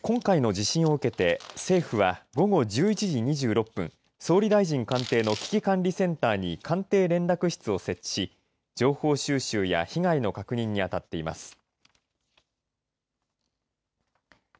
そして今回の地震を受けて政府は午後１１時２６分総理大臣官邸の危機管理センターに官邸連絡室を設置し情報収集や被害の確認にあたっています。